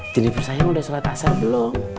jeniper sayang udah sholat asar belum